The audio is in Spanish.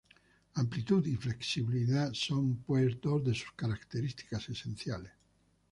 Amplitud y flexibilidad son, pues dos de sus características esenciales.